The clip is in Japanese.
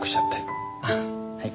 ああはい。